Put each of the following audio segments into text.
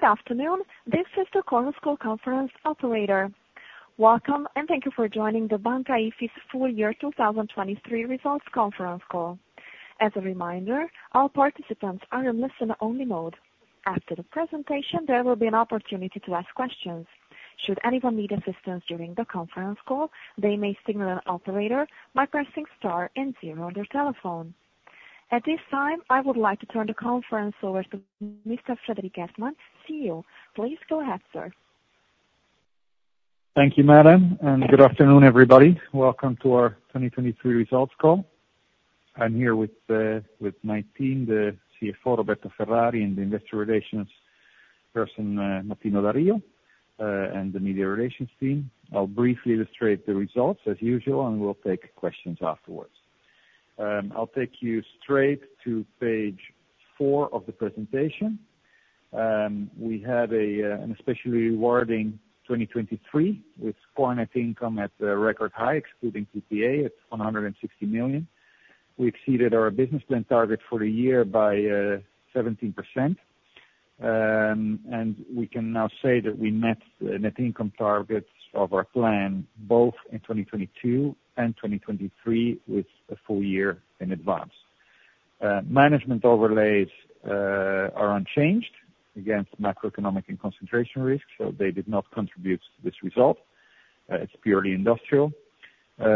Good afternoon. This is the Conference Call conference operator. Welcome, and thank you for joining the Banca Ifis full year 2023 results conference call. As a reminder, all participants are in listen-only mode. After the presentation, there will be an opportunity to ask questions. Should anyone need assistance during the conference call, they may signal an operator by pressing star and zero on their telephone. At this time, I would like to turn the conference over to Mr. Frederik Geertman, CEO. Please go ahead, sir. Thank you, madam, and good afternoon, everybody. Welcome to our 2023 results call. I'm here with my team, the CFO, Roberto Ferrari, and the investor relations person, Martino Da Rio, and the media relations team. I'll briefly illustrate the results as usual, and we'll take questions afterwards. I'll take you straight to page 4 of the presentation. We had an especially rewarding 2023, with net income at a record high, excluding PPA, at 160 million. We exceeded our business plan target for the year by 17%. And we can now say that we met the net income targets of our plan, both in 2022 and 2023, with a full year in advance. Management overlays are unchanged against macroeconomic and concentration risks, so they did not contribute to this result. It's purely industrial.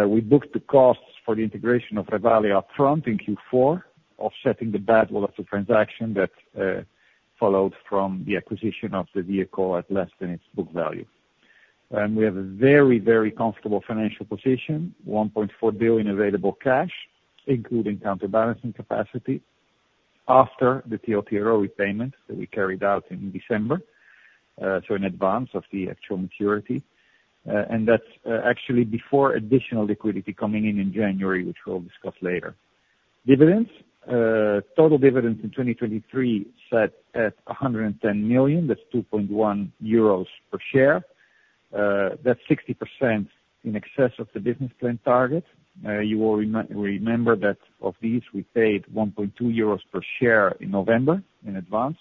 We booked the costs for the integration of Revalea up front in Q4, offsetting the badwill of the transaction that followed from the acquisition of the vehicle at less than its book value. We have a very, very comfortable financial position, 1.4 billion available cash, including counterbalancing capacity, after the TLTRO repayment that we carried out in December, so in advance of the actual maturity, and that's actually before additional liquidity coming in in January, which we'll discuss later. Dividends. Total dividends in 2023 sat at 110 million, that's 2.1 euros per share. That's 60% in excess of the business plan target. You will remember that of these, we paid 1.2 euros per share in November in advance,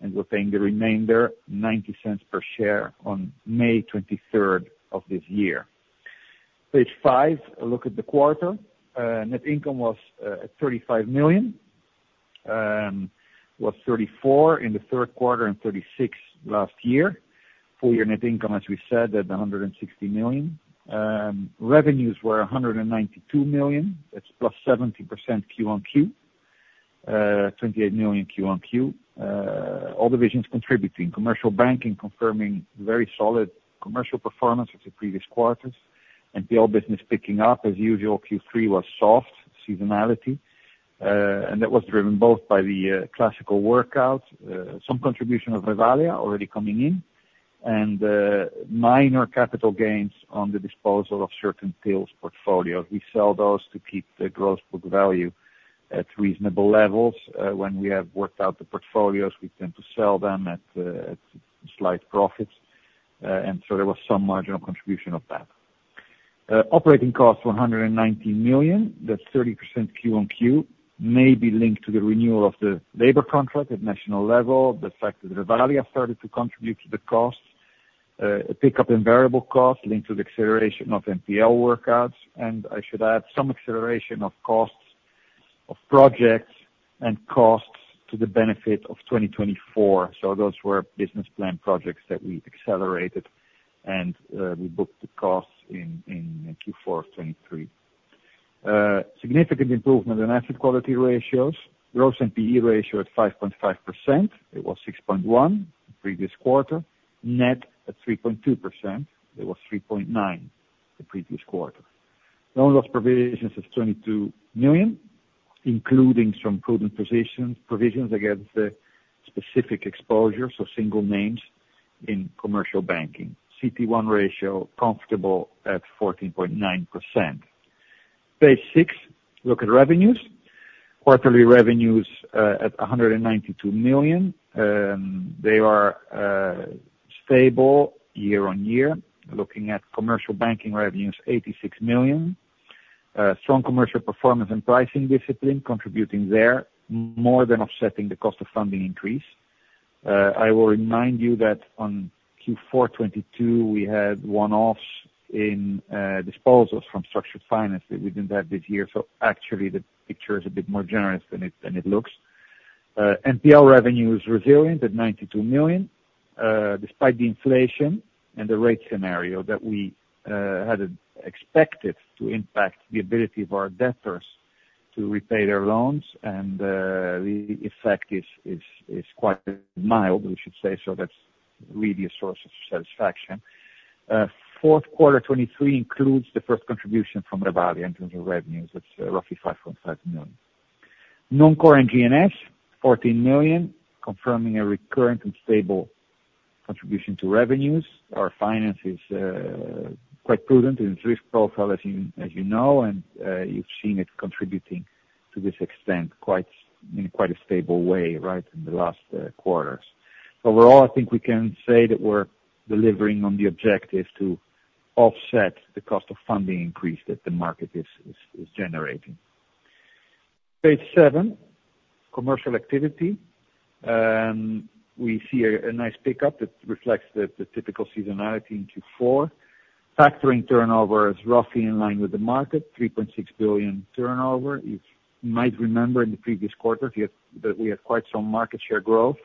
and we're paying the remainder 0.90 per share on May 23 of this year. Page 5, a look at the quarter. Net income was at 35 million. Was 34 in the Q3 and 36 last year. Full year net income, as we said, at 160 million. Revenues were 192 million. That's +70% Q on Q. 28 million Q on Q. All divisions contributing. Commercial banking confirming very solid commercial performance with the previous quarters, NPL business picking up as usual, Q3 was soft, seasonality. And that was driven both by the classical workouts, some contribution of Revalea already coming in, and minor capital gains on the disposal of certain NPL portfolios. We sell those to keep the gross book value at reasonable levels. When we have worked out the portfolios, we tend to sell them at slight profits, and so there was some marginal contribution of that. Operating costs, 119 million, that's 30% quarter-on-quarter, maybe linked to the renewal of the labor contract at national level. The fact that Revalea has started to contribute to the costs, a pickup in variable costs linked to the acceleration of NPL workouts, and I should add, some acceleration of costs of projects and costs to the benefit of 2024. So those were business plan projects that we accelerated, and we booked the costs in Q4 of 2023. Significant improvement in asset quality ratios. Gross NPE ratio at 5.5%. It was 6.1% the previous quarter. Net at 3.2%. It was 3.9% the previous quarter. Loan loss provisions of 22 million, including some prudent positions, provisions against specific exposures, so single names in commercial banking. CET1 ratio comfortable at 14.9%. Page six, look at revenues. Quarterly revenues at 192 million. They are stable year-on-year. Looking at commercial banking revenues, 86 million. Strong commercial performance and pricing discipline contributing there, more than offsetting the cost of funding increase. I will remind you that on Q4 2022, we had one-offs in disposals from structured finance. We didn't have this year, so actually the picture is a bit more generous than it looks. NPL revenue is resilient at 92 million, despite the inflation and the rate scenario that we had expected to impact the ability of our debtors to repay their loans. And the effect is quite mild, we should say. So that's really a source of satisfaction. Q4 2023 includes the first contribution from Revalea in terms of revenues. It's roughly 5.5 million. Non-core & GNS, 14 million, confirming a recurrent and stable contribution to revenues. Our finance is quite prudent in risk profile, as you know, and you've seen it contributing to this extent, quite in quite a stable way, right, in the last quarters. Overall, I think we can say that we're delivering on the objective to offset the cost of funding increase that the market is generating. Page 7, commercial activity. We see a nice pickup that reflects the typical seasonality in Q4. Factoring turnover is roughly in line with the market, 3.6 billion turnover. You might remember in the previous quarters, yet, that we had quite some market share growth.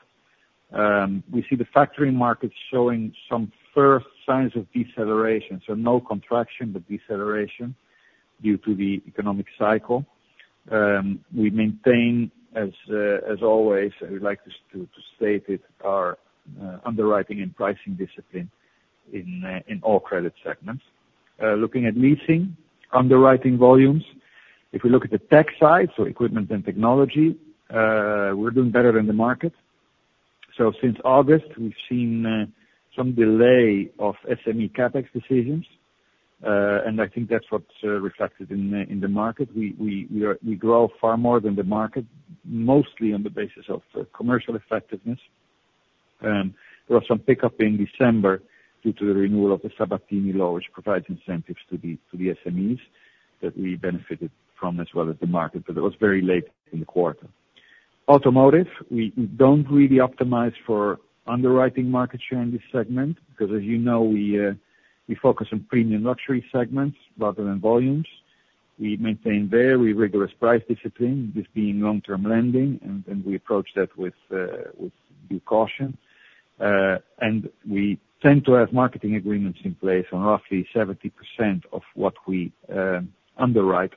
We see the factoring market showing some first signs of deceleration, so no contraction, but deceleration due to the economic cycle. We maintain as always, I would like us to state it, our underwriting and pricing discipline in all credit segments. Looking at leasing, underwriting volumes, if we look at the tech side, so equipment and technology, we're doing better in the market. So since August, we've seen some delay of SME CapEx decisions, and I think that's what's reflected in the market. We grow far more than the market, mostly on the basis of commercial effectiveness. There was some pickup in December due to the renewal of the Sabatini Law, which provides incentives to the SMEs that we benefited from, as well as the market, but it was very late in the quarter. Automotive, we don't really optimize for underwriting market share in this segment because as you know, we focus on premium luxury segments rather than volumes. We maintain very rigorous price discipline, this being long-term lending, and we approach that with due caution. And we tend to have marketing agreements in place on roughly 70% of what we underwrite,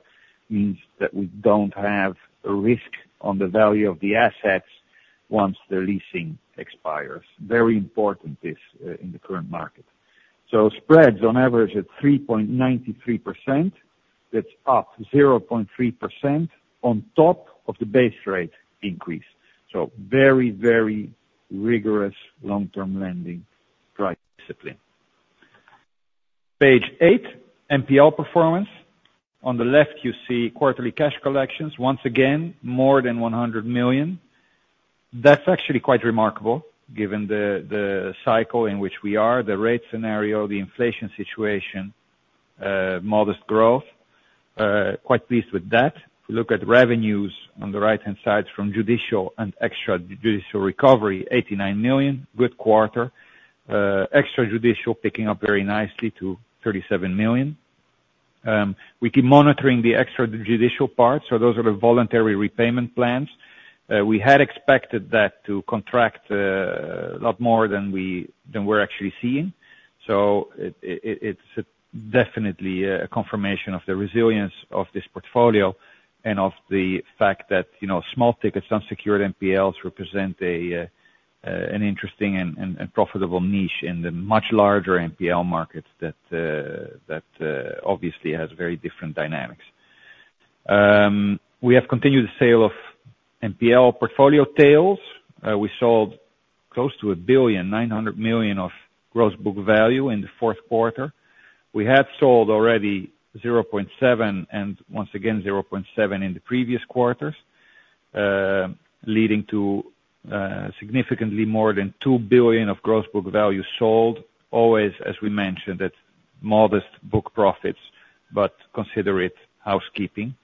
means that we don't have a risk on the value of the assets once the leasing expires. Very important, this, in the current market. So spreads on average at 3.93%, that's up 0.3% on top of the base rate increase. So very, very rigorous long-term lending price discipline. Page 8, NPL performance. On the left, you see quarterly cash collections. Once again, more than 100 million. That's actually quite remarkable, given the, the cycle in which we are, the rate scenario, the inflation situation, modest growth, quite pleased with that. If you look at revenues on the right-hand side from judicial and extrajudicial recovery, 89 million, good quarter. Extrajudicial picking up very nicely to 37 million. We keep monitoring the extrajudicial part, so those are the voluntary repayment plans. We had expected that to contract a lot more than we, than we're actually seeing. So it's definitely a confirmation of the resilience of this portfolio, and of the fact that, you know, small tickets, unsecured NPLs, represent a an interesting and profitable niche in the much larger NPL markets that obviously has very different dynamics. We have continued the sale of NPL portfolio tails. We sold close to 1.9 billion of gross book value in the Q4. We have sold already 0.7, and once again, 0.7 in the previous quarters, leading to significantly more than 2 billion of gross book value sold. Always, as we mentioned, that modest book profits, but consider it housekeeping.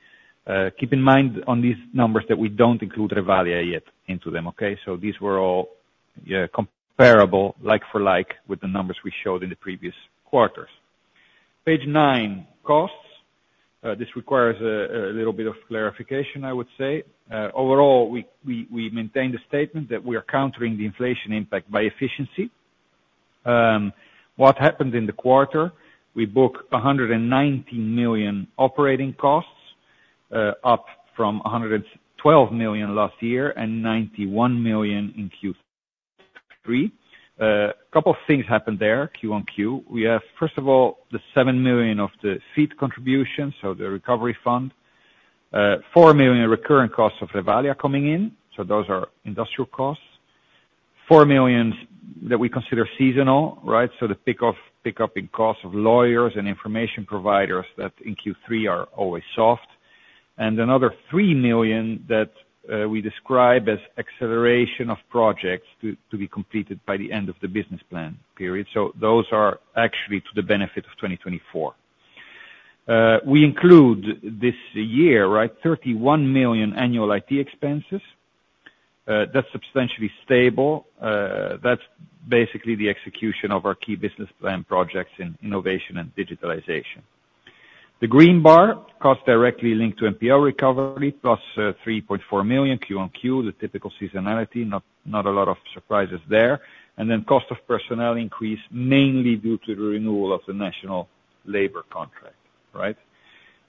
Keep in mind on these numbers that we don't include Revalea yet into them, okay? So these were all, comparable, like for like, with the numbers we showed in the previous quarters. Page 9, costs. This requires a little bit of clarification, I would say. Overall, we maintain the statement that we are countering the inflation impact by efficiency. What happened in the quarter? We booked 190 million operating costs, up from 112 million last year, and 91 million in Q3. Couple of things happened there, Q on Q. We have, first of all, the 7 million of the FITD contributions, so the recovery fund. Four million in recurrent costs of Revalea coming in, so those are industrial costs. 4 million that we consider seasonal, right? So the pick-off, pick-up in cost of lawyers and information providers that in Q3 are always soft. And another 3 million that we describe as acceleration of projects to be completed by the end of the business plan period. So those are actually to the benefit of 2024. We include this year, right, 31 million annual IT expenses. That's substantially stable. That's basically the execution of our key business plan projects in innovation and digitalization. The green bar, costs directly linked to NPL recovery, plus 3.4 million Q on Q, the typical seasonality, not a lot of surprises there. And then cost of personnel increase, mainly due to the renewal of the National Labor Contract, right?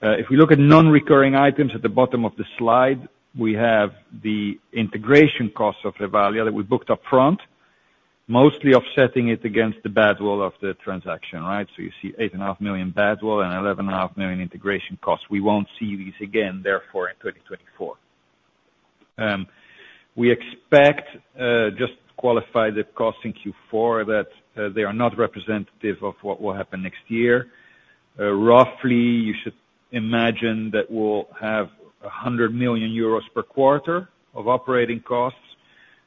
If we look at non-recurring items at the bottom of the slide, we have the integration costs of Revalea that we booked up front, mostly offsetting it against the badwill of the transaction, right? So you see 8.5 million badwill and 11.5 million integration costs. We won't see these again, therefore, in 2024. We expect, just to qualify the costs in Q4, that they are not representative of what will happen next year. Roughly, you should imagine that we'll have 100 million euros per quarter of operating costs.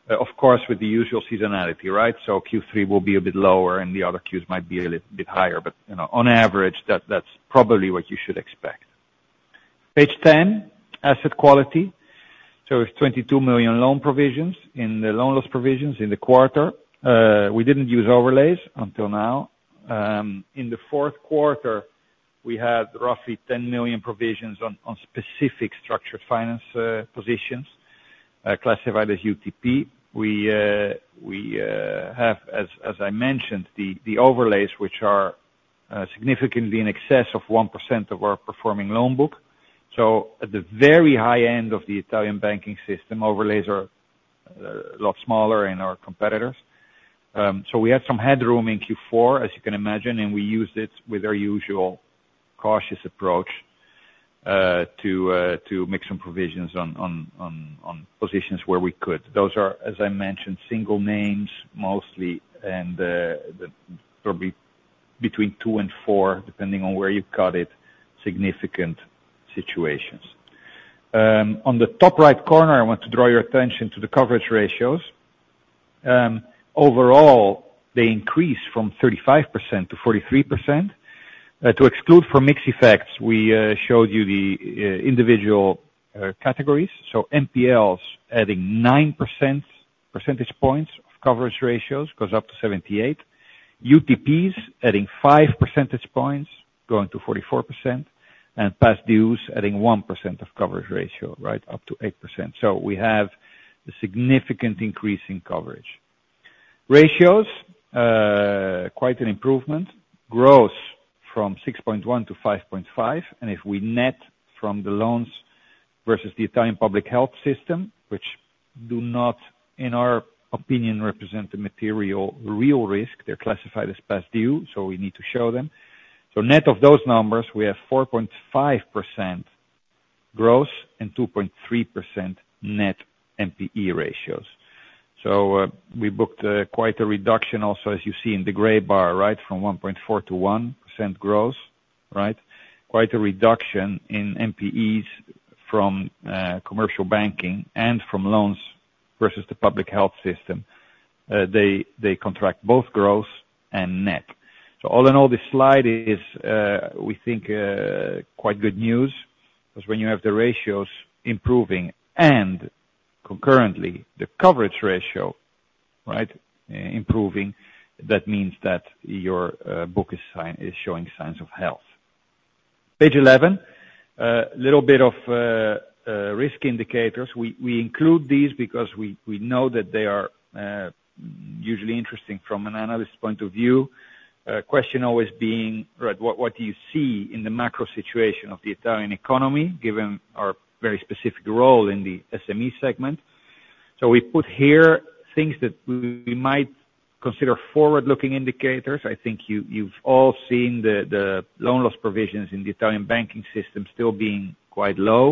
Of course, with the usual seasonality, right? So Q3 will be a bit lower, and the other Qs might be a bit higher, but, you know, on average, that, that's probably what you should expect. Page 10, asset quality. So it's 22 million loan provisions in the loan loss provisions in the quarter. We didn't use overlays until now. In the Q4, we had roughly 10 million provisions on specific structured finance positions classified as UTP. We have, as I mentioned, the overlays, which are significantly in excess of 1% of our performing loan book. So at the very high end of the Italian banking system, overlays are a lot smaller in our competitors. So we had some headroom in Q4, as you can imagine, and we used it with our usual cautious approach to make some provisions on positions where we could. Those are, as I mentioned, single names, mostly, and there probably between 2 and 4, depending on where you cut it, significant situations. On the top right corner, I want to draw your attention to the coverage ratios. Overall, they increased from 35% to 43%. To exclude from mix effects, we showed you the individual categories. So NPLs, adding 9 percentage points of coverage ratios, goes up to 78%. UTPs, adding 5 percentage points, going to 44%, and past dues, adding 1 percentage point of coverage ratio, right up to 8%. So we have a significant increase in coverage ratios, quite an improvement. Growth from 6.1 to 5.5, and if we net from the loans versus the Italian public health system, which do not, in our opinion, represent the material real risk, they're classified as past due, so we need to show them. So net of those numbers, we have 4.5% gross and 2.3% net NPE ratios. So, we booked quite a reduction, also, as you see in the gray bar, right, from 1.4% to 1% gross, right? Quite a reduction in NPEs from commercial banking and from loans versus the public health system. They contract both gross and net. So all in all, this slide is, we think, quite good news, because when you have the ratios improving and concurrently, the coverage ratio, right, improving, that means that your book is showing signs of health. Page 11, little bit of risk indicators. We include these because we know that they are usually interesting from an analyst point of view. Question always being, right, what do you see in the macro situation of the Italian economy, given our very specific role in the SME segment? So we put here things that we might consider forward-looking indicators. I think you've all seen the loan loss provisions in the Italian banking system still being quite low.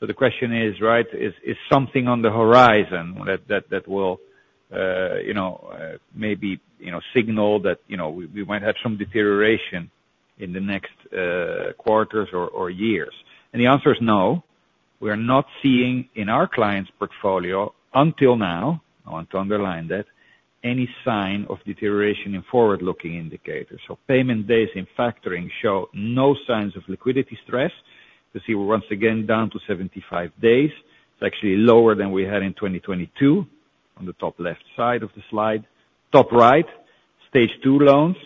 So the question is, right, is something on the horizon that will, you know, maybe, you know, signal that, you know, we might have some deterioration in the next quarters or years? And the answer is no. We are not seeing in our client's portfolio, until now, I want to underline that, any sign of deterioration in forward-looking indicators. So payment days in factoring show no signs of liquidity stress. You see, once again, down to 75 days, it's actually lower than we had in 2022, on the top left side of the slide. Top right, Stage 2 loans.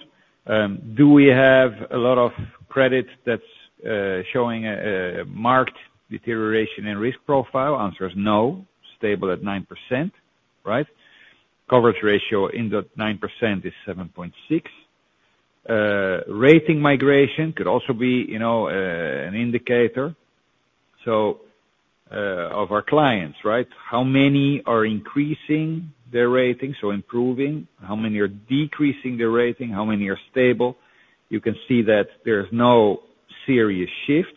Do we have a lot of credit that's showing a marked deterioration in risk profile? Answer is no. Stable at 9%, right? Coverage ratio in that 9% is 7.6. Rating migration could also be, you know, an indicator, so, of our clients, right? How many are increasing their rating, so improving, how many are decreasing their rating, how many are stable? You can see that there is no serious shift,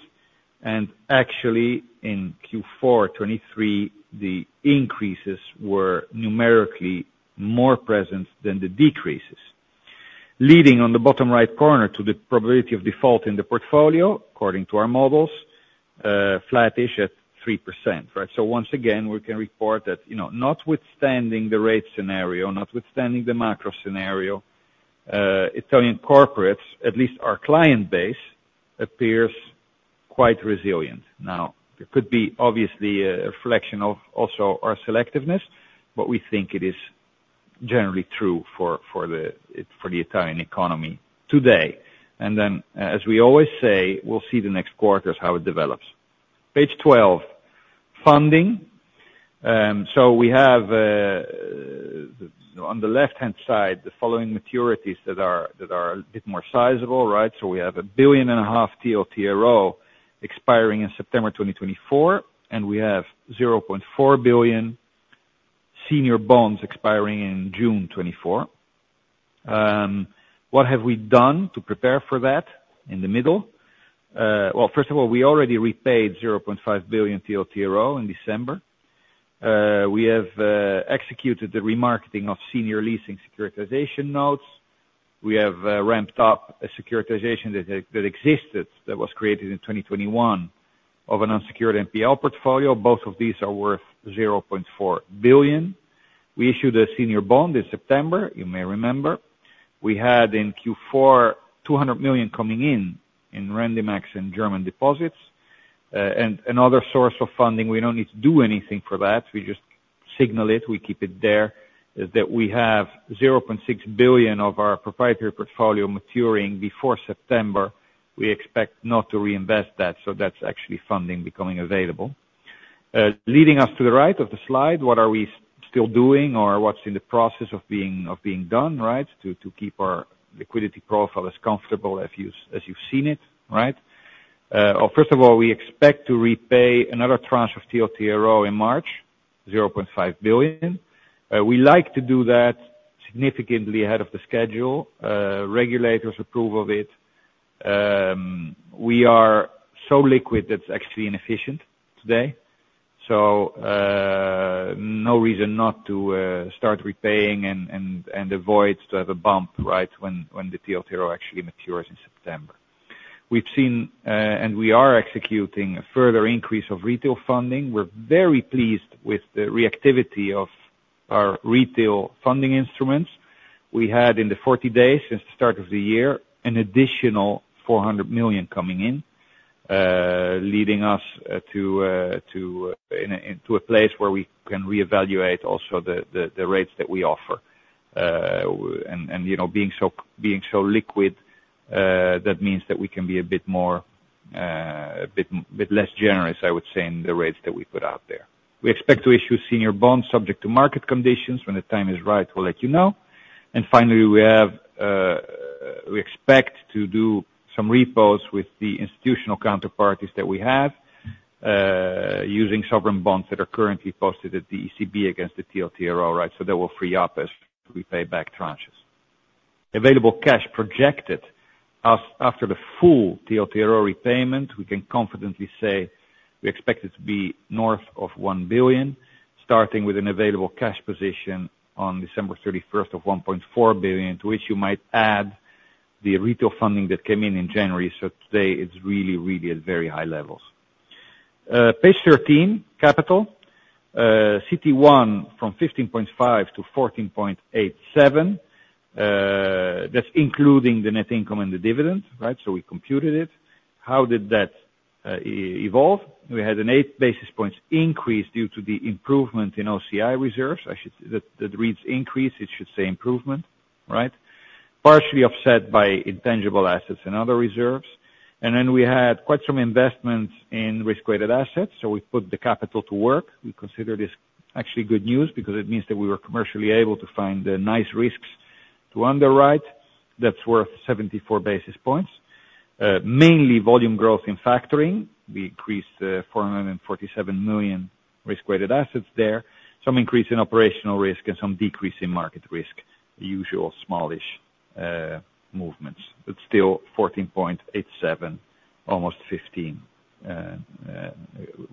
and actually, in Q4 2023, the increases were numerically more present than the decreases. Leading on the bottom right corner to the probability of default in the portfolio, according to our models, flattish at 3%, right? So once again, we can report that, you know, notwithstanding the rate scenario, notwithstanding the macro scenario, Italian corporates, at least our client base, appears quite resilient. Now, it could be obviously a reflection of also our selectiveness, but we think it is generally true for the Italian economy today. And then, as we always say, we'll see the next quarters, how it develops. Page 12, funding. So we have, on the left-hand side, the following maturities that are a bit more sizable, right? So we have 1.5 billion TLTRO expiring in September 2024, and we have 0.4 billion senior bonds expiring in June 2024. What have we done to prepare for that in the middle? Well, first of all, we already repaid 0.5 billion TLTRO in December. We have executed the remarketing of senior leasing securitization notes. We have ramped up a securitization that existed, that was created in 2021, of an unsecured NPL portfolio. Both of these are worth 0.4 billion. We issued a senior bond in September, you may remember. We had, in Q4, 200 million coming in, in Rendimax and German deposits. Another source of funding, we don't need to do anything for that, we just signal it, we keep it there, is that we have 0.6 billion of our proprietary portfolio maturing before September. We expect not to reinvest that, so that's actually funding becoming available. Leading us to the right of the slide, what are we still doing or what's in the process of being done, right, to keep our liquidity profile as comfortable as you've seen it, right? First of all, we expect to repay another tranche of TLTRO in March, 0.5 billion. We like to do that significantly ahead of the schedule. Regulators approve of it. We are so liquid, that's actually inefficient today. So, no reason not to start repaying and avoid to have a bump, right, when the TLTRO actually matures in September. We've seen and we are executing a further increase of retail funding. We're very pleased with the reactivity of our retail funding instruments. We had, in the 40 days since the start of the year, an additional 400 million coming in, leading us into a place where we can reevaluate also the rates that we offer. And you know, being so liquid, that means that we can be a bit more a bit less generous, I would say, in the rates that we put out there. We expect to issue senior bonds subject to market conditions. When the time is right, we'll let you know. And finally, we expect to do some repos with the institutional counterparties that we have, using sovereign bonds that are currently posted at the ECB against the TLTRO, right, so they will free up as we pay back tranches. Available cash projected as after the full TLTRO repayment, we can confidently say we expect it to be north of 1 billion, starting with an available cash position on December 31 of 1.4 billion, to which you might add the retail funding that came in in January. So today, it's really, really at very high levels. Page 13, capital. CET1, from 15.5%-14.87%. That's including the net income and the dividend, right? So we computed it. How did that evolve? We had an 8 basis points increase due to the improvement in OCI reserves. Actually, that, that reads increase, it should say improvement, right? Partially upset by intangible assets and other reserves. And then we had quite some investment in risk-weighted assets, so we put the capital to work. We consider this actually good news, because it means that we were commercially able to find the nice risks to underwrite. That's worth 74 basis points. Mainly volume growth in factoring. We increased 447 million risk-weighted assets there. Some increase in operational risk and some decrease in market risk, the usual smallish movements. But still 14.87, almost 15,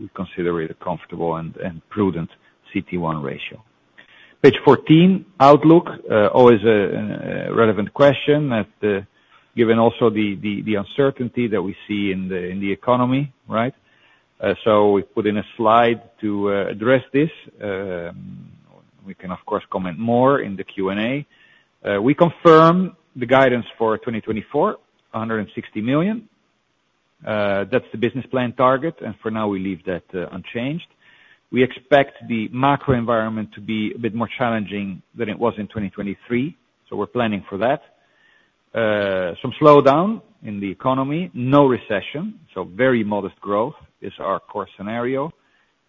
we consider it a comfortable and prudent CET1 ratio. Page 14, outlook. Always a relevant question that, given also the uncertainty that we see in the economy, right? So we put in a slide to address this. We can, of course, comment more in the Q&A. We confirm the guidance for 2024, 160 million. That's the business plan target, and for now, we leave that unchanged. We expect the macro environment to be a bit more challenging than it was in 2023, so we're planning for that. Some slowdown in the economy, no recession, so very modest growth is our core scenario.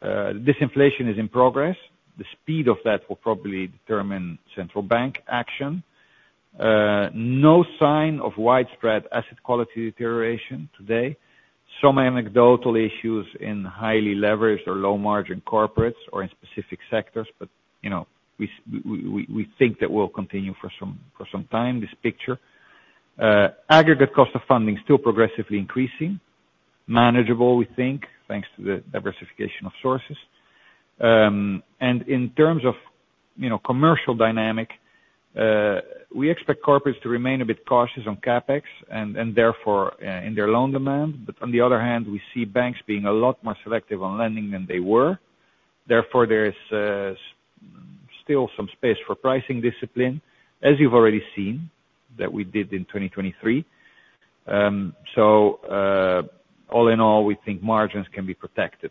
Disinflation is in progress. The speed of that will probably determine central bank action. No sign of widespread asset quality deterioration today. Some anecdotal issues in highly leveraged or low-margin corporates or in specific sectors, but, you know, we think that will continue for some time, this picture. Aggregate cost of funding still progressively increasing. Manageable, we think, thanks to the diversification of sources. And in terms of, you know, commercial dynamic, we expect corporates to remain a bit cautious on CapEx and, and therefore, in their loan demand. But on the other hand, we see banks being a lot more selective on lending than they were. Therefore, there is still some space for pricing discipline, as you've already seen, that we did in 2023. So, all in all, we think margins can be protected.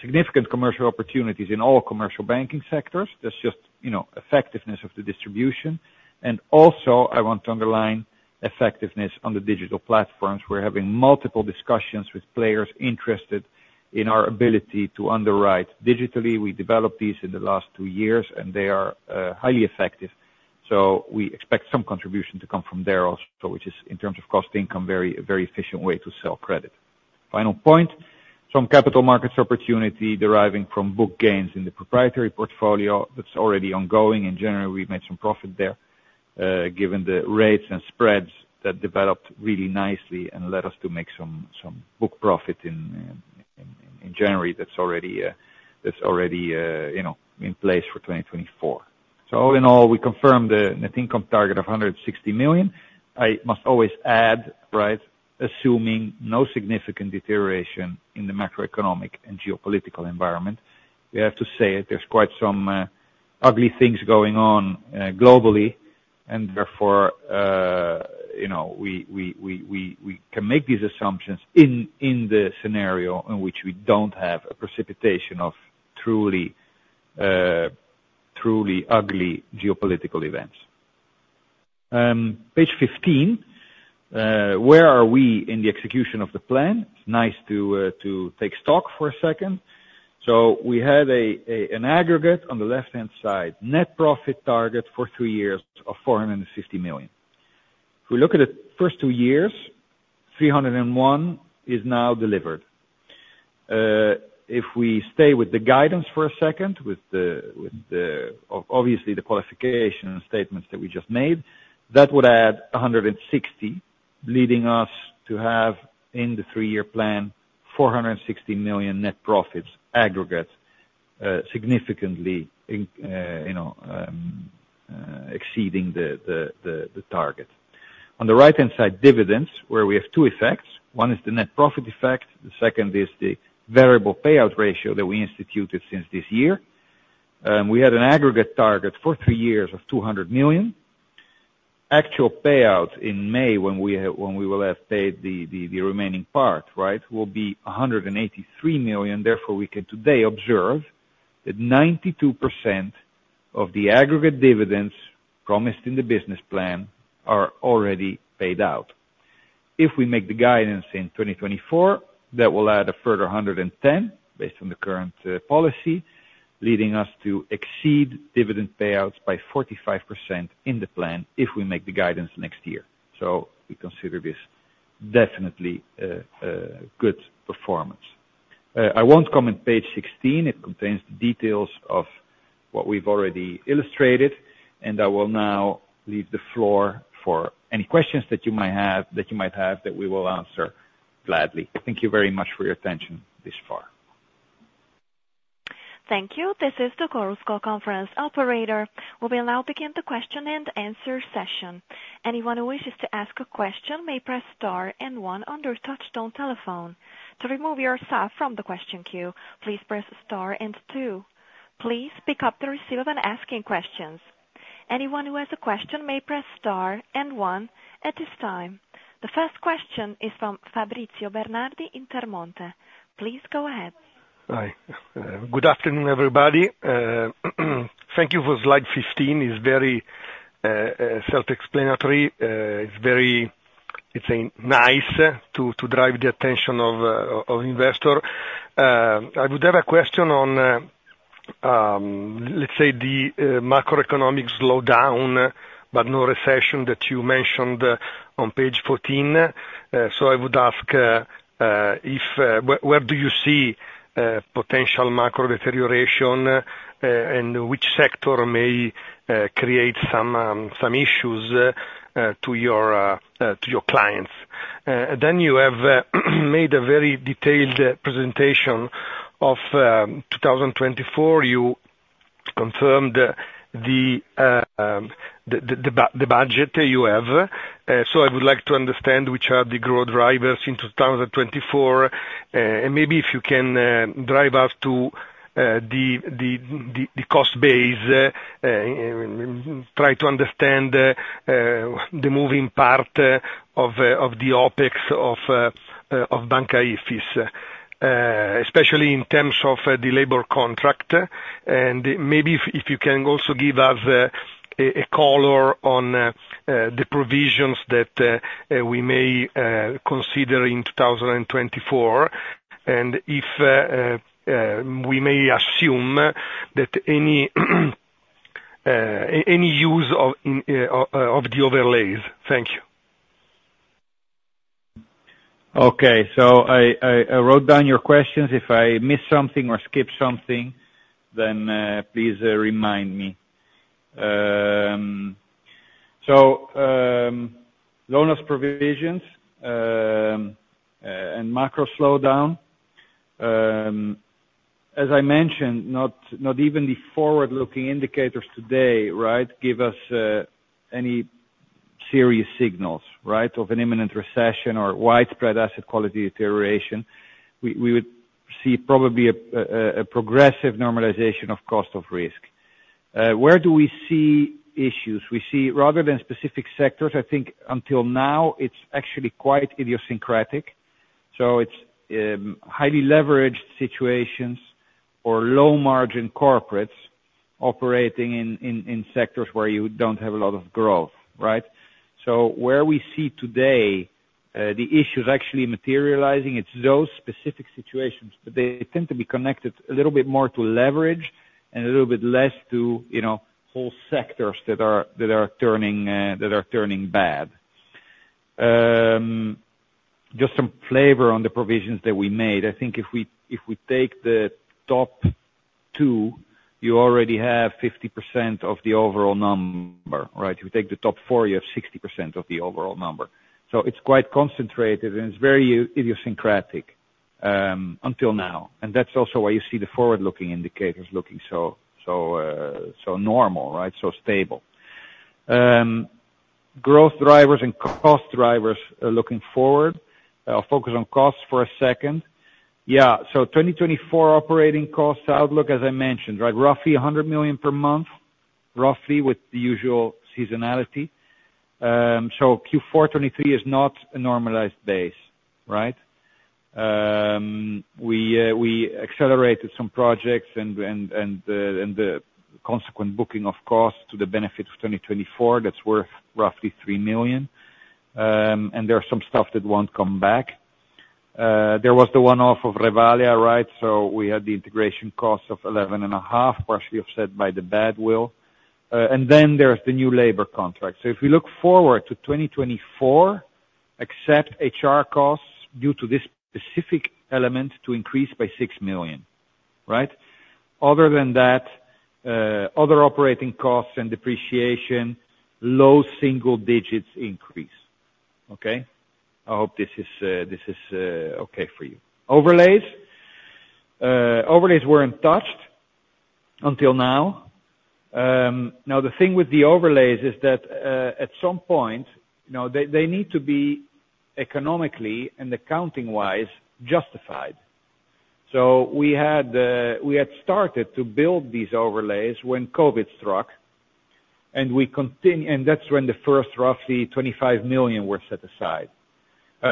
Significant commercial opportunities in all commercial banking sectors, that's just, you know, effectiveness of the distribution. And also, I want to underline effectiveness on the digital platforms. We're having multiple discussions with players interested in our ability to underwrite digitally. We developed these in the last two years, and they are highly effective. So we expect some contribution to come from there also, which is, in terms of cost income, very, a very efficient way to sell credit. Final point, some capital markets opportunity deriving from book gains in the proprietary portfolio that's already ongoing. In general, we've made some profit there, given the rates and spreads that developed really nicely and led us to make some book profit in January, that's already, you know, in place for 2024. So all in all, we confirm the net income target of 160 million. I must always add, right, assuming no significant deterioration in the macroeconomic and geopolitical environment, we have to say there's quite some ugly things going on globally, and therefore, you know, we can make these assumptions in the scenario in which we don't have a precipitation of truly ugly geopolitical events. Page 15, where are we in the execution of the plan? It's nice to take stock for a second. So we had an aggregate on the left-hand side, net profit target for two years of 450 million. If we look at the first two years, 301 is now delivered. If we stay with the guidance for a second, with the obvious qualification and statements that we just made, that would add 160, leading us to have, in the three-year plan, 460 million net profits aggregate, significantly, you know, exceeding the target. On the right-hand side, dividends, where we have two effects. One is the net profit effect, the second is the variable payout ratio that we instituted since this year. We had an aggregate target for three years of 200 million. Actual payouts in May, when we will have paid the remaining part, right, will be 183 million. Therefore, we can today observe that 92% of the aggregate dividends promised in the business plan are already paid out. If we make the guidance in 2024, that will add a further 110 based on the current policy, leading us to exceed dividend payouts by 45% in the plan if we make the guidance next year. So we consider this definitely a good performance. I won't comment page 16. It contains the details of what we've already illustrated, and I will now leave the floor for any questions that you might have that we will answer gladly. Thank you very much for your attention this far. Thank you. This is the Chorus Call Conference operator. We will now begin the question and answer session. Anyone who wishes to ask a question may press star and one on their touchtone telephone. To remove yourself from the question queue, please press star and two. Please pick up the receiver when asking questions. Anyone who has a question may press star and one at this time. The first question is from Fabrizio Bernardi, Intermonte. Please go ahead. Hi. Good afternoon, everybody. Thank you for slide 15, it's very self-explanatory. It's very nice to drive the attention of investor. I would have a question on, let's say the macroeconomic slowdown, but no recession that you mentioned on page 14. So I would ask, if where do you see potential macro deterioration, and which sector may create some issues to your clients? Then you have made a very detailed presentation of 2024. You confirmed the budget you have. So I would like to understand which are the growth drivers in 2024, and maybe if you can drive us to the cost base, try to understand the moving part of the OpEx of Banca Ifis, especially in terms of the labor contract. And maybe if you can also give us a call on the provisions that we may consider in 2024, and if we may assume that any use of the overlays. Thank you. Okay. So I wrote down your questions. If I missed something or skipped something, then please remind me. So loan loss provisions and macro slowdown. As I mentioned, not even the forward-looking indicators today, right, give us any serious signals, right, of an imminent recession or widespread asset quality deterioration. We would see probably a progressive normalization of cost of risk. Where do we see issues? We see rather than specific sectors, I think until now, it's actually quite idiosyncratic, so it's highly leveraged situations or low-margin corporates operating in sectors where you don't have a lot of growth, right? So where we see today, the issues actually materializing, it's those specific situations, but they tend to be connected a little bit more to leverage and a little bit less to, you know, whole sectors that are turning bad. Just some flavor on the provisions that we made. I think if we take the top two, you already have 50% of the overall number, right? If you take the top four, you have 60% of the overall number. So it's quite concentrated, and it's very idiosyncratic, until now, and that's also why you see the forward-looking indicators looking so normal, right? So stable. Growth drivers and cost drivers are looking forward. I'll focus on costs for a second. Yeah, so 2024 operating cost outlook, as I mentioned, right, roughly 100 million per month, roughly, with the usual seasonality. So Q4 2023 is not a normalized base, right? We accelerated some projects and the consequent booking of costs to the benefit of 2024, that's worth roughly 3 million. And there are some stuff that won't come back. There was the one-off of Revalea, right? So we had the integration costs of 11.5 million, partially offset by the badwill. And then there's the new labor contract. So if we look forward to 2024, except HR costs due to this specific element to increase by 6 million, right? Other than that, other operating costs and depreciation, low single digits increase. Okay? I hope this is okay for you. Overlays. Overlays weren't touched until now. Now, the thing with the overlays is that, at some point, you know, they need to be economically and accounting-wise justified. So we had started to build these overlays when COVID struck, and that's when the first roughly 25 million were set aside.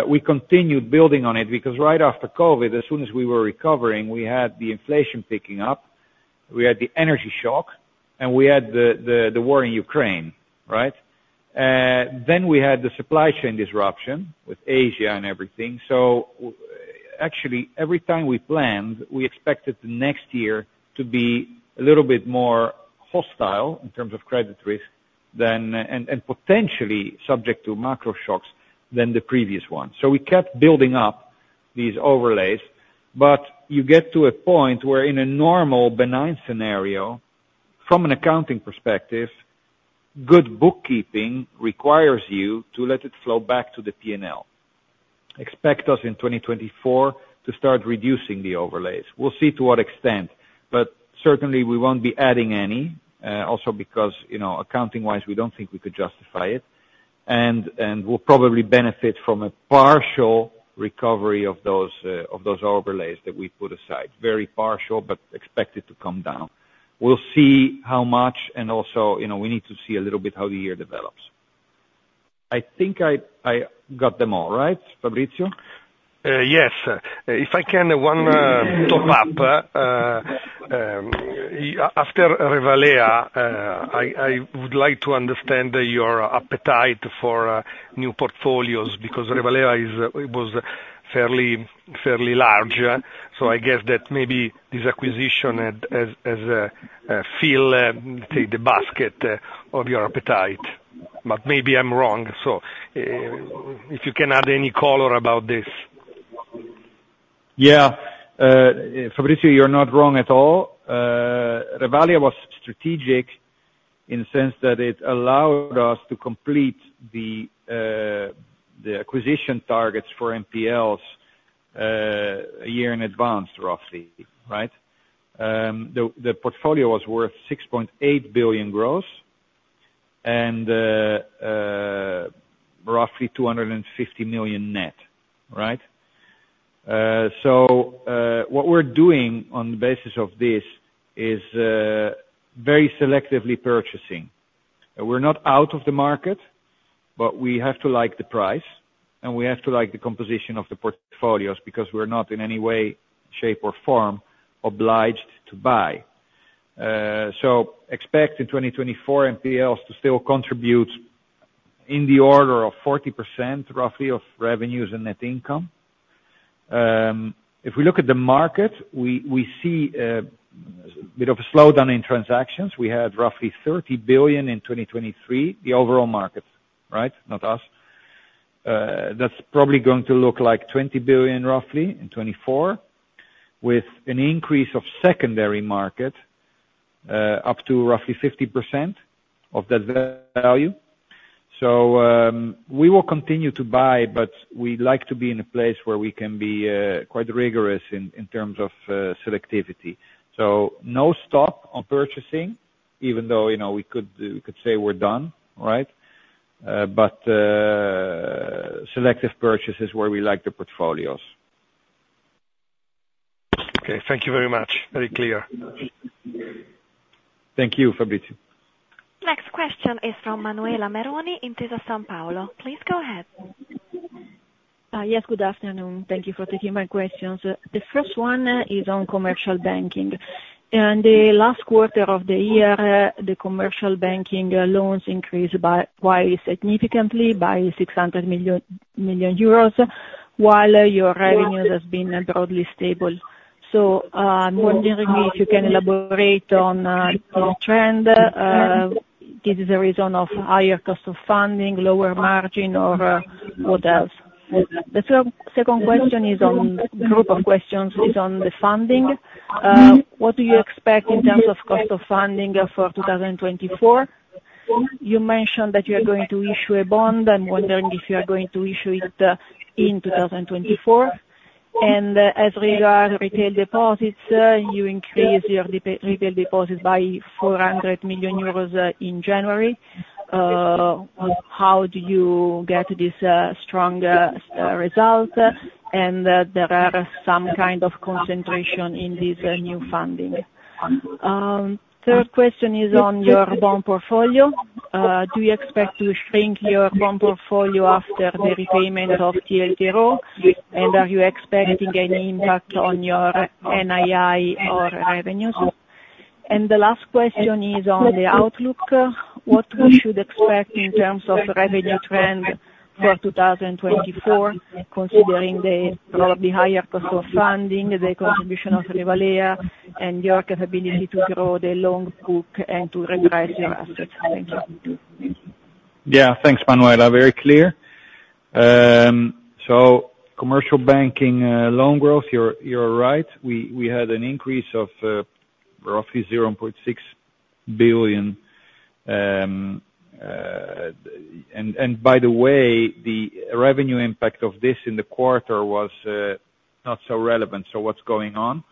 We continued building on it, because right after COVID, as soon as we were recovering, we had the inflation picking up, we had the energy shock, and we had the war in Ukraine, right? Then we had the supply chain disruption with Asia and everything. Actually, every time we planned, we expected the next year to be a little bit more hostile in terms of credit risk than... And potentially subject to macro shocks than the previous one. So we kept building up these overlays, but you get to a point where in a normal, benign scenario, from an accounting perspective, good bookkeeping requires you to let it flow back to the PNL. Expect us in 2024 to start reducing the overlays. We'll see to what extent, but certainly we won't be adding any, also because, you know, accounting-wise, we don't think we could justify it. And we'll probably benefit from a partial recovery of those overlays that we put aside. Very partial, but expect it to come down. We'll see how much, and also, you know, we need to see a little bit how the year develops. I think I got them all, right, Fabrizio? Yes. If I can, one top up after Revalea, I would like to understand your appetite for new portfolios, because Revalea is, was fairly, fairly large. So I guess that maybe this acquisition has filled the basket of your appetite, but maybe I'm wrong. So, if you can add any color about this. Yeah. Fabrizio, you're not wrong at all. Revalea was strategic in the sense that it allowed us to complete the, the acquisition targets for NPLs, a year in advance, roughly, right? The, the portfolio was worth 6.8 billion gross and, roughly 250 million net, right? So, what we're doing on the basis of this is, very selectively purchasing. We're not out of the market, but we have to like the price, and we have to like the composition of the portfolios, because we're not in any way, shape, or form obliged to buy. So expect in 2024 NPLs to still contribute in the order of 40%, roughly, of revenues and net income. If we look at the market, we, we see, bit of a slowdown in transactions. We had roughly 30 billion in 2023, the overall market, right? Not us. That's probably going to look like 20 billion, roughly, in 2024, with an increase of secondary market up to roughly 50% of that value. So, we will continue to buy, but we'd like to be in a place where we can be quite rigorous in terms of selectivity. So no stop on purchasing, even though, you know, we could do, we could say we're done, right? But selective purchases where we like the portfolios. Okay, thank you very much. Very clear. Thank you, Fabrizio. Next question is from Manuela Meroni, Intesa Sanpaolo. Please go ahead. Yes, good afternoon. Thank you for taking my questions. The first one is on commercial banking. In the last quarter of the year, the commercial banking loans increased quite significantly by 600 million euros, while your revenue has been broadly stable. So, wondering if you can elaborate on on trend. This is the reason of higher cost of funding, lower margin, or what else? The second question, group of questions is on the funding. What do you expect in terms of cost of funding for 2024? You mentioned that you are going to issue a bond. I'm wondering if you are going to issue it in 2024. And as regard retail deposits, you increase your retail deposits by 400 million euros in January. How do you get this strong result? And there are some kind of concentration in this new funding. Third question is on your bond portfolio. Do you expect to shrink your bond portfolio after the repayment of TLTRO? And are you expecting any impact on your NII or revenues? And the last question is on the outlook. What we should expect in terms of revenue trend for 2024, considering the probably higher cost of funding, the contribution of Revalea, and your capability to grow the loan book and to repricing assets? Thank you. Yeah, thanks, Manuela. Very clear. So commercial banking, loan growth, you're right. We had an increase of roughly 0.6 billion. And by the way, the revenue impact of this in the quarter was not so relevant, so what's going on?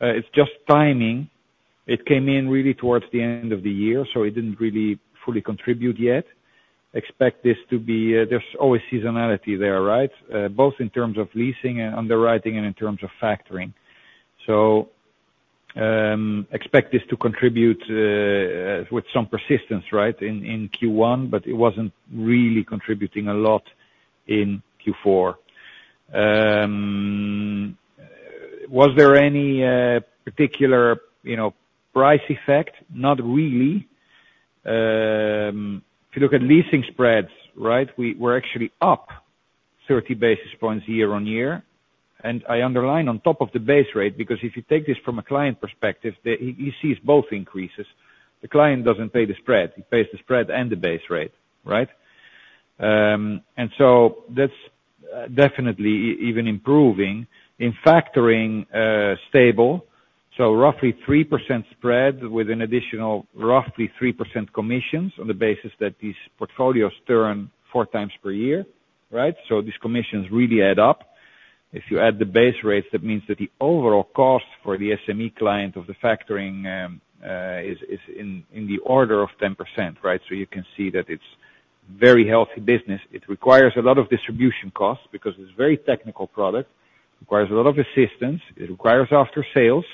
It's just timing. It came in really towards the end of the year, so it didn't really fully contribute yet. Expect this to be... There's always seasonality there, right? Both in terms of leasing and underwriting and in terms of factoring. So, expect this to contribute with some persistence, right, in Q1, but it wasn't really contributing a lot in Q4. Was there any particular, you know, price effect? Not really. If you look at leasing spreads, right, we're actually up 30 basis points year-on-year, and I underline on top of the base rate, because if you take this from a client perspective, he sees both increases. The client doesn't pay the spread, he pays the spread and the base rate, right? And so that's definitely even improving. In factoring, stable, so roughly 3% spread with an additional roughly 3% commissions, on the basis that these portfolios turn 4 times per year, right? So these commissions really add up. If you add the base rates, that means that the overall cost for the SME client of the factoring is in the order of 10%, right? So you can see that it's very healthy business. It requires a lot of distribution costs, because it's a very technical product. Requires a lot of assistance, it requires aftersales.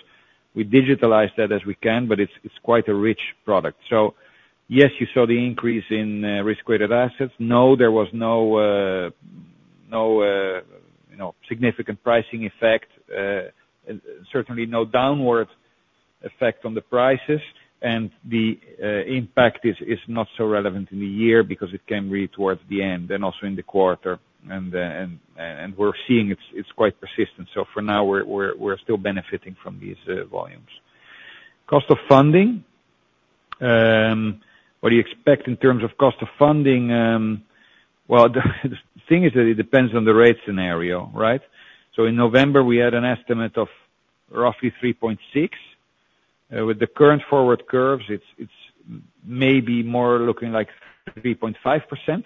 We digitalize that as we can, but it's quite a rich product. So yes, you saw the increase in risk-weighted assets. No, there was no, you know, significant pricing effect, certainly no downward effect on the prices. And the impact is not so relevant in the year because it came really towards the end, and also in the quarter, and we're seeing it's quite persistent. So for now, we're still benefiting from these volumes. Cost of funding. What do you expect in terms of cost of funding? Well, the thing is that it depends on the rate scenario, right? So in November, we had an estimate of roughly 3.6. With the current forward curves, it's, it's maybe more looking like 3.5%.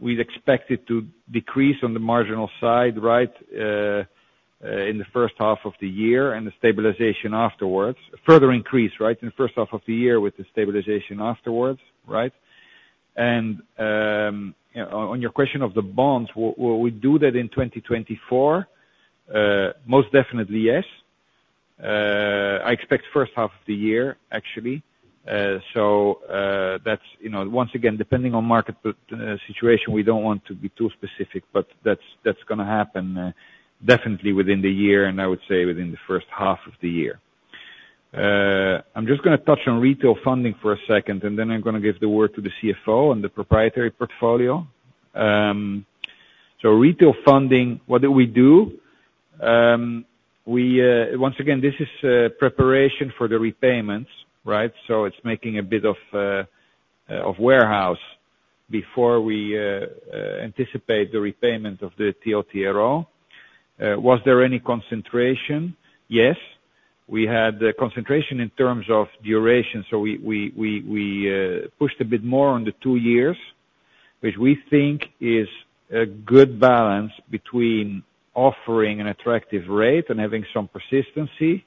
We'd expect it to decrease on the marginal side, right, in the first half of the year, and the stabilization afterwards. Further increase, right, in the first half of the year with the stabilization afterwards, right? On your question of the bonds, will we do that in 2024? Most definitely, yes. I expect first half of the year, actually. So, that's, you know, once again, depending on market situation, we don't want to be too specific, but that's, that's gonna happen, definitely within the year, and I would say within the first half of the year. I'm just gonna touch on retail funding for a second, and then I'm gonna give the word to the CFO on the proprietary portfolio. So retail funding, what do we do? We once again, this is preparation for the repayments, right? So it's making a bit of warehouse before we anticipate the repayment of the TLTRO. Was there any concentration? Yes, we had concentration in terms of duration, so we pushed a bit more on the 2 years, which we think is a good balance between offering an attractive rate and having some persistency.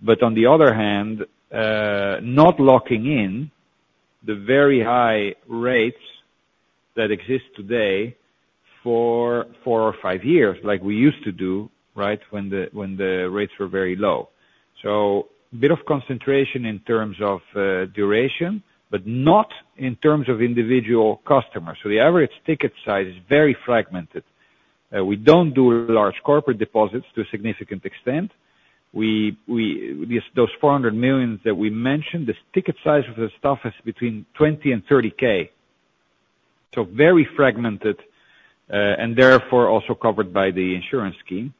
But on the other hand, not locking in the very high rates that exist today for 4 or 5 years, like we used to do, right, when the rates were very low. So a bit of concentration in terms of duration, but not in terms of individual customers. So the average ticket size is very fragmented. We don't do large corporate deposits to a significant extent. We those 400 million that we mentioned, this ticket size of the stuff is between 20,000 and 30,000. So very fragmented, and therefore also covered by the insurance scheme,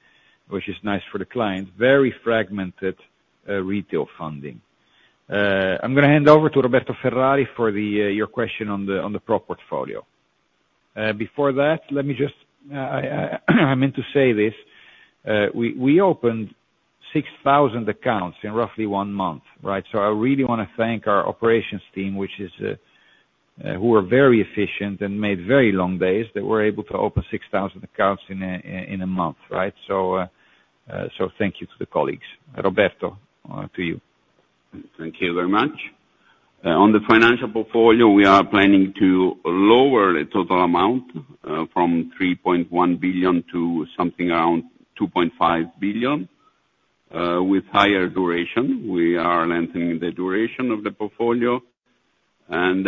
which is nice for the client. Very fragmented retail funding. I'm gonna hand over to Roberto Ferrari for your question on the NPL portfolio. Before that, let me just, I meant to say this, we opened 6,000 accounts in roughly one month, right? So I really want to thank our operations team, which is, who are very efficient and made very long days. They were able to open 6,000 accounts in a month, right? So, thank you to the colleagues. Roberto, to you. Thank you very much. On the financial portfolio, we are planning to lower the total amount, from 3.1 billion to something around 2.5 billion, with higher duration. We are lengthening the duration of the portfolio, and,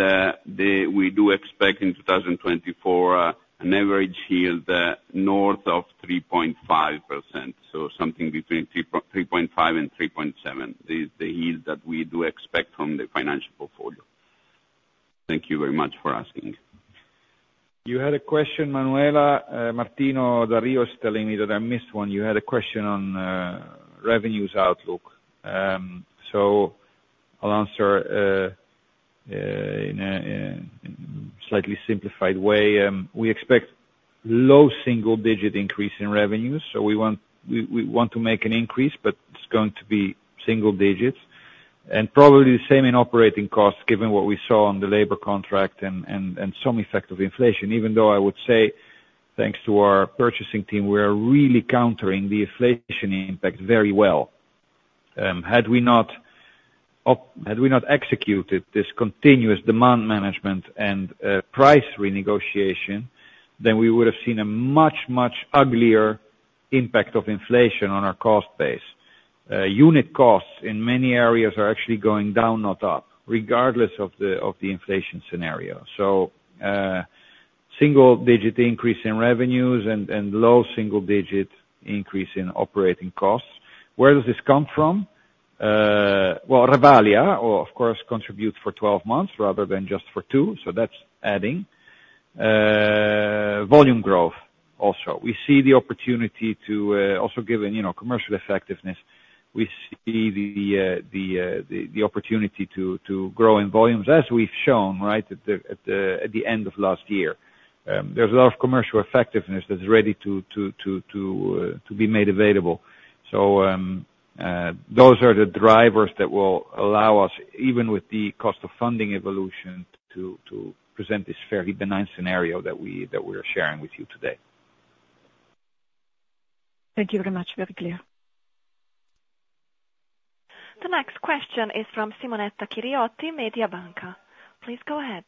we do expect in 2024, an average yield, north of 3.5%, so something between 3.5% and 3.7%, is the yield that we do expect from the financial portfolio. Thank you very much for asking. You had a question, Manuela. Martino Da Rio is telling me that I missed one. You had a question on revenues outlook. So I'll answer in a slightly simplified way. We expect low single digit increase in revenues. So we want to make an increase, but it's going to be single digits. And probably the same in operating costs, given what we saw on the labor contract and some effect of inflation. Even though I would say, thanks to our purchasing team, we are really countering the inflation impact very well. Had we not executed this continuous demand management and price renegotiation, then we would have seen a much uglier impact of inflation on our cost base. Unit costs in many areas are actually going down, not up, regardless of the, of the inflation scenario. So, single digit increase in revenues and, and low single digit increase in operating costs. Where does this come from? Well, Revalea, of course, contributes for 12 months rather than just for 2, so that's adding. Volume growth also. We see the opportunity to, also given, you know, commercial effectiveness, we see the opportunity to grow in volumes, as we've shown, right, at the end of last year. There's a lot of commercial effectiveness that's ready to be made available. So, those are the drivers that will allow us, even with the cost of funding evolution, to present this fairly benign scenario that we are sharing with you today. Thank you very much. Very clear. The next question is from Simonetta Chiriotti, Mediobanca. Please go ahead.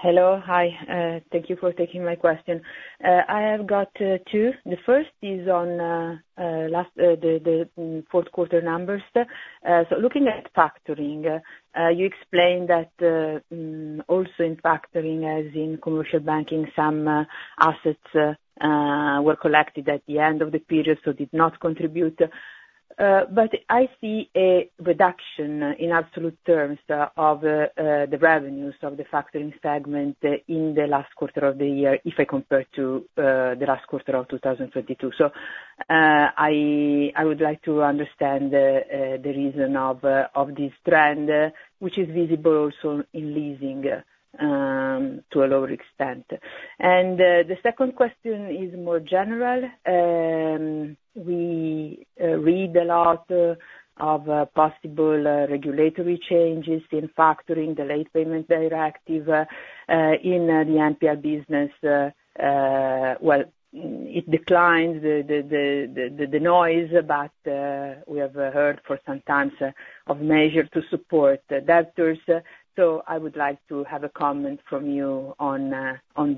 Hello. Hi, thank you for taking my question. I have got two. The first is on the Q4 numbers. So looking at factoring, you explained that also in factoring, as in commercial banking, some assets were collected at the end of the period, so did not contribute. But I see a reduction in absolute terms of the revenues of the factoring segment in the last quarter of the year, if I compare to the last quarter of 2022. So I would like to understand the reason of this trend, which is visible also in leasing to a lower extent. And the second question is more general. We read a lot of possible regulatory changes in factoring, the late payment directive, in the NPL business. Well, it declines the noise, but we have heard for some time of measures to support the debtors. So I would like to have a comment from you on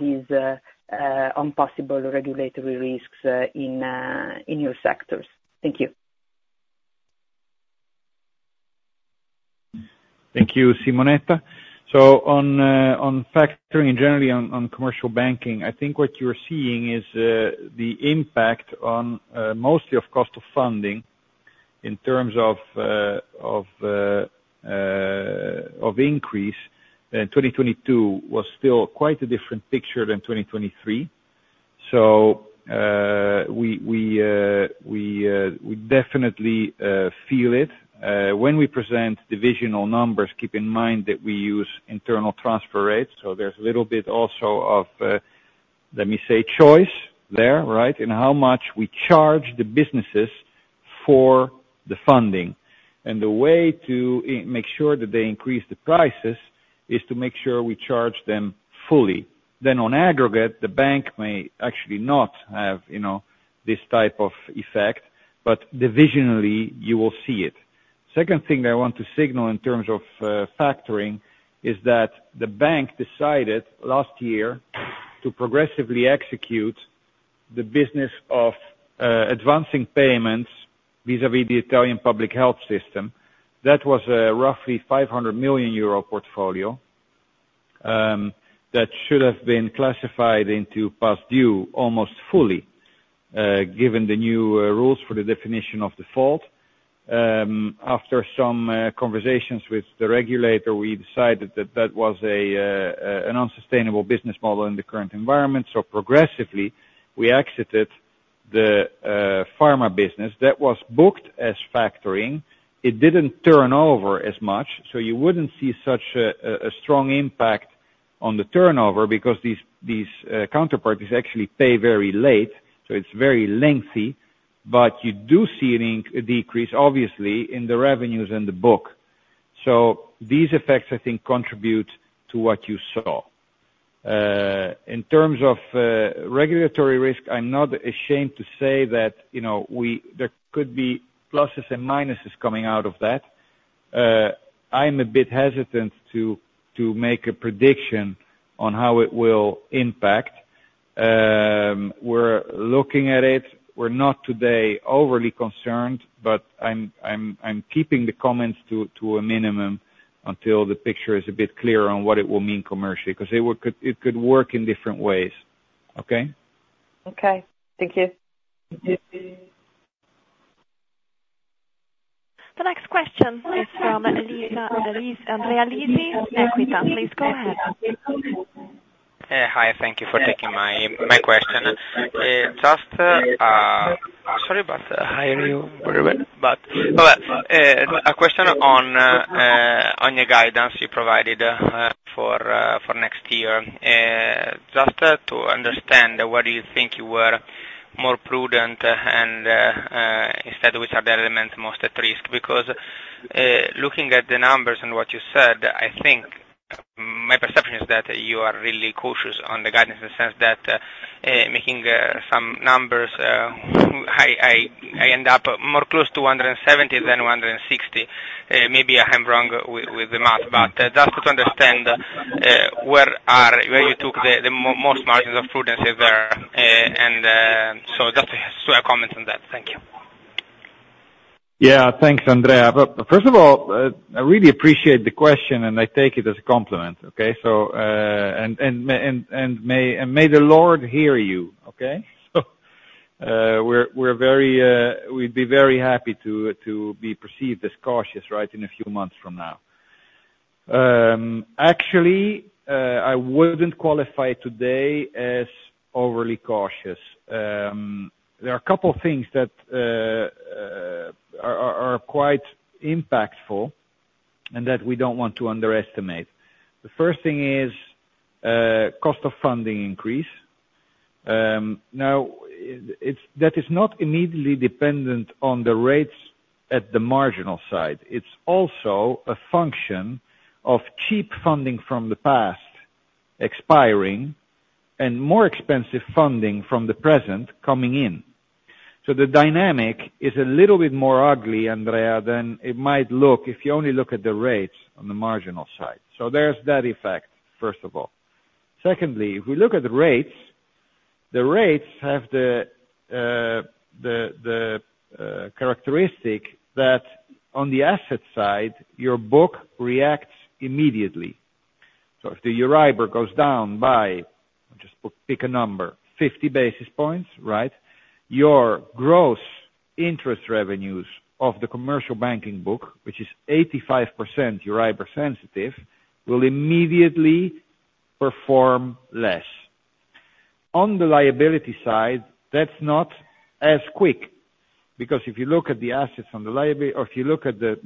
these possible regulatory risks in your sectors. Thank you. Thank you, Simonetta. So on factoring, generally on commercial banking, I think what you're seeing is the impact mostly of cost of funding in terms of increase, then 2022 was still quite a different picture than 2023. So we definitely feel it. When we present divisional numbers, keep in mind that we use internal transfer rates, so there's a little bit also of let me say, choice there, right? In how much we charge the businesses for the funding. And the way to make sure that they increase the prices is to make sure we charge them fully. Then on aggregate, the bank may actually not have, you know, this type of effect, but divisionally, you will see it. Second thing that I want to signal in terms of factoring is that the bank decided last year to progressively execute the business of advancing payments vis-à-vis the Italian public health system. That was a roughly 500 million euro portfolio that should have been classified into past due almost fully, given the new rules for the definition of default, after some conversations with the regulator, we decided that that was an unsustainable business model in the current environment. So progressively, we exited the pharma business that was booked as factoring. It didn't turn over as much, so you wouldn't see such a strong impact on the turnover because these counterparties actually pay very late, so it's very lengthy. But you do see a decrease, obviously, in the revenues in the book. So these effects, I think, contribute to what you saw. In terms of regulatory risk, I'm not ashamed to say that, you know, there could be pluses and minuses coming out of that. I'm a bit hesitant to make a prediction on how it will impact. We're looking at it. We're not today overly concerned, but I'm keeping the comments to a minimum until the picture is a bit clearer on what it will mean commercially, because it could work in different ways. Okay? Okay. Thank you. The next question is from Andrea Lisi, Equita. Please go ahead. Hi, thank you for taking my question. Sorry, but I hear you very well, but a question on your guidance you provided for next year. Just to understand, where do you think you were more prudent and instead, which are the elements most at risk? Because looking at the numbers and what you said, I think my perception is that you are really cautious on the guidance in the sense that making some numbers, I end up more close to 170 than 160. Maybe I am wrong with the math, but just to understand where you took the most margins of prudence there, and so just a comment on that. Thank you. Yeah, thanks, Andrea. But first of all, I really appreciate the question, and I take it as a compliment, okay? So, and may the Lord hear you, okay? So, we'd be very happy to be perceived as cautious, right, in a few months from now. Actually, I wouldn't qualify today as overly cautious. There are a couple things that are quite impactful and that we don't want to underestimate. The first thing is cost of funding increase. Now, it's that is not immediately dependent on the rates at the marginal side. It's also a function of cheap funding from the past expiring and more expensive funding from the present coming in. So the dynamic is a little bit more ugly, Andrea, than it might look if you only look at the rates on the marginal side. So there's that effect, first of all. Secondly, if we look at the rates, the rates have the characteristic that on the asset side, your book reacts immediately. So if the Euribor goes down by, just pick a number, 50 basis points, right? Your gross interest revenues of the commercial banking book, which is 85% Euribor sensitive, will immediately perform less. On the liability side, that's not as quick, because if you look at the assets on the liability, or if you look at the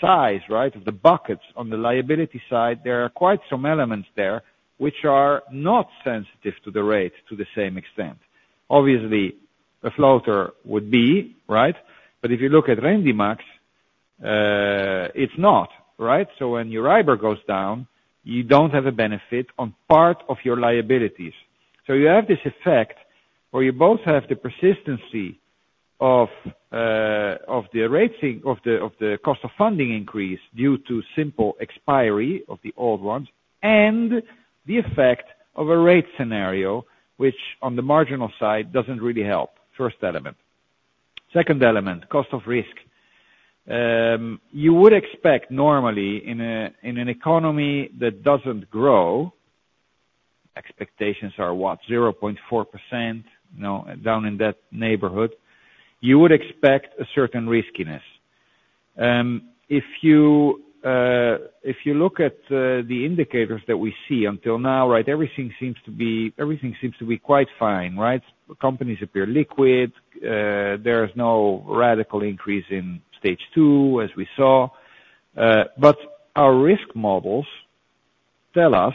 size, right, of the buckets on the liability side, there are quite some elements there which are not sensitive to the rate to the same extent. Obviously, a floater would be, right? But if you look at Rendimax, it's not, right? So when your Euribor goes down, you don't have a benefit on part of your liabilities. So you have this effect, where you both have the persistency of, of the rate thing, of the, of the cost of funding increase, due to simple expiry of the old ones, and the effect of a rate scenario, which on the marginal side, doesn't really help. First element. Second element, cost of risk. You would expect normally in a, in an economy that doesn't grow, expectations are what? 0.4%, no, down in that neighborhood, you would expect a certain riskiness. If you look at the indicators that we see until now, right, everything seems to be, everything seems to be quite fine, right? Companies appear liquid. There is no radical increase in stage 2, as we saw. But our risk models tell us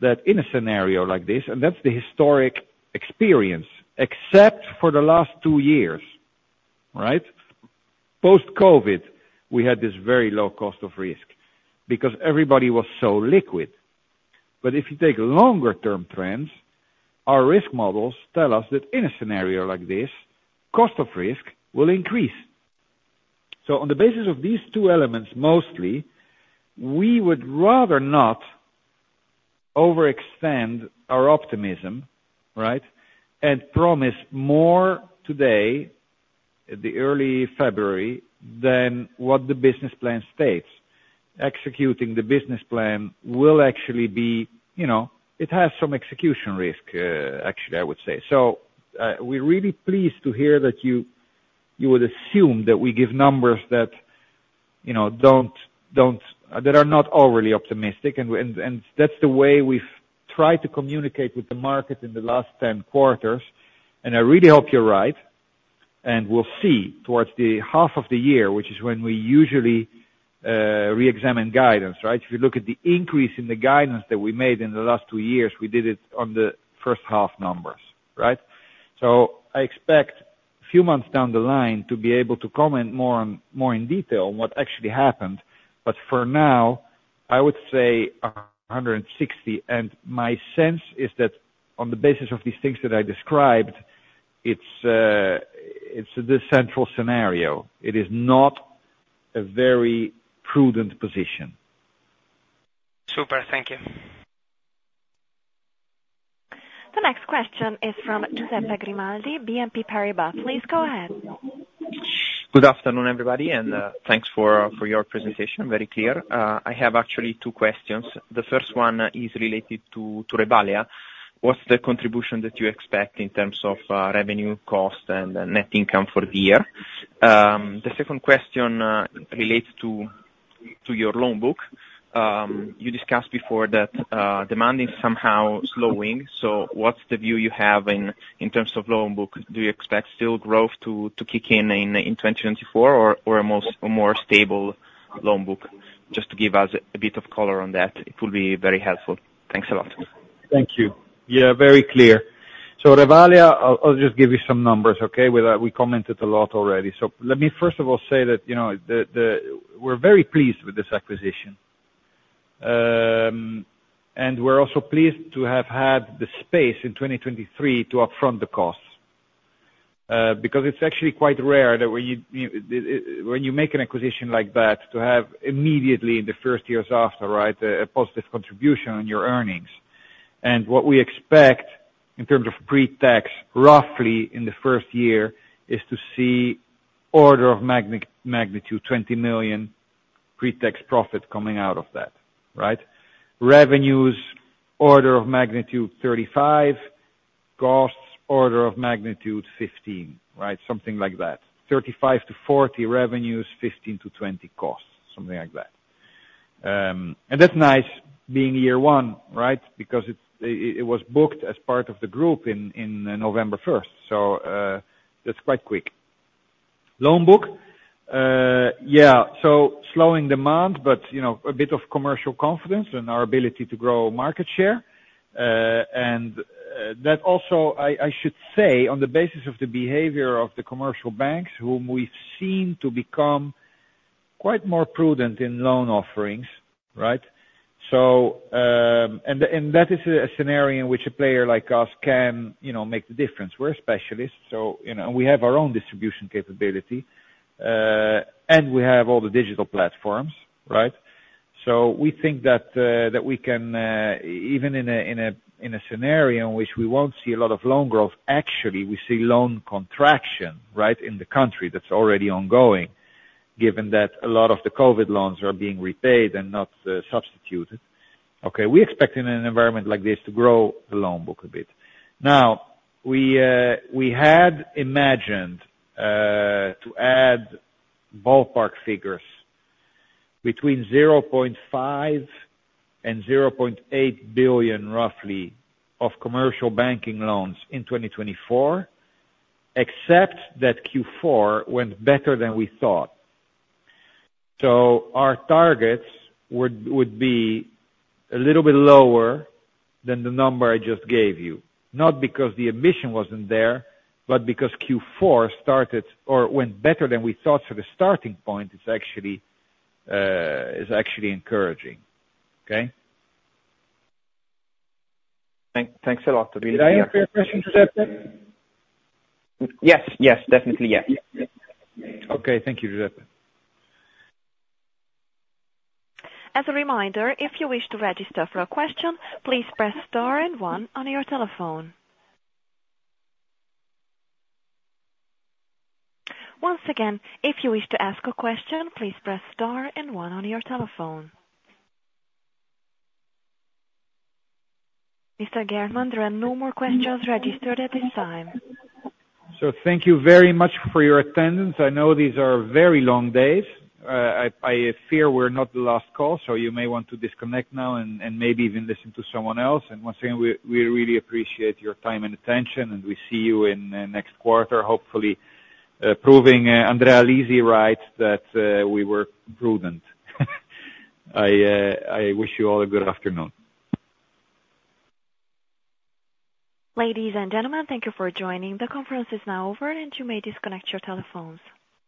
that in a scenario like this, and that's the historic experience, except for the last two years, right? Post-COVID, we had this very low cost of risk because everybody was so liquid. But if you take longer term trends, our risk models tell us that in a scenario like this, cost of risk will increase. So on the basis of these two elements, mostly, we would rather not overextend our optimism, right? And promise more today at the early February than what the business plan states. Executing the business plan will actually be, you know, it has some execution risk, actually, I would say. So, we're really pleased to hear that you would assume that we give numbers that, you know, don't that are not overly optimistic, and that's the way we've tried to communicate with the market in the last 10 quarters, and I really hope you're right, and we'll see towards the half of the year, which is when we usually reexamine guidance, right? If you look at the increase in the guidance that we made in the last two years, we did it on the first half numbers, right? So I expect a few months down the line to be able to comment more on, more in detail on what actually happened, but for now, I would say 160, and my sense is that on the basis of these things that I described, it's the central scenario. It is not a very prudent position. Super. Thank you. The next question is from Giuseppe Grimaldi, BNP Paribas. Please go ahead. Good afternoon, everybody, and thanks for your presentation, very clear. I have actually two questions. The first one is related to Revalea. What's the contribution that you expect in terms of revenue, cost, and net income for the year? The second question relates to your loan book. You discussed before that demand is somehow slowing, so what's the view you have in terms of loan book? Do you expect still growth to kick in in 2024, or a more stable loan book? Just to give us a bit of color on that, it will be very helpful. Thanks a lot. Thank you. Yeah, very clear. So Revalea, I'll just give you some numbers, okay? We, we commented a lot already. So let me first of all say that, you know, the, the, we're very pleased with this acquisition. And we're also pleased to have had the space in 2023 to upfront the cost, because it's actually quite rare that when you, you... When you make an acquisition like that, to have immediately in the first years after, right, a positive contribution on your earnings. And what we expect in terms of pre-tax, roughly in the first year, is to see order of magnitude, 20 million pre-tax profit coming out of that, right? Revenues, order of magnitude 35 million, costs, order of magnitude 15 million, right? Something like that. 35 million-40 million revenues, 15 million-20 million costs, something like that. And that's nice being year one, right? Because it was booked as part of the group in November first, so that's quite quick. Loan book, yeah, so slowing demand, but you know, a bit of commercial confidence in our ability to grow market share, and that also, I should say, on the basis of the behavior of the commercial banks, whom we've seen to become quite more prudent in loan offerings, right? So and that is a scenario in which a player like us can, you know, make the difference. We're specialists, so you know, we have our own distribution capability, and we have all the digital platforms, right? So we think that, that we can, even in a, in a, in a scenario in which we won't see a lot of loan growth, actually, we see loan contraction, right? In the country, that's already ongoing, given that a lot of the COVID loans are being repaid and not, substituted. Okay, we expect in an environment like this to grow the loan book a bit. Now, we, we had imagined, to add ballpark figures between 0.5 billion and 0.8 billion, roughly, of commercial banking loans in 2024, except that Q4 went better than we thought. So our targets would, would be a little bit lower than the number I just gave you, not because the ambition wasn't there, but because Q4 started or went better than we thought. So the starting point is actually, is actually encouraging. Okay? Thanks a lot. Did I answer your question, Giuseppe? Yes. Yes, definitely, yes. Okay. Thank you, Giuseppe. As a reminder, if you wish to register for a question, please press star and one on your telephone. Once again, if you wish to ask a question, please press star and one on your telephone. Mr. Geertman, there are no more questions registered at this time. So thank you very much for your attendance. I know these are very long days. I fear we're not the last call, so you may want to disconnect now and maybe even listen to someone else. And once again, we really appreciate your time and attention, and we see you in next quarter, hopefully proving Andrea Lisi right, that we were prudent. I wish you all a good afternoon. Ladies and gentlemen, thank you for joining. The conference is now over, and you may disconnect your telephones.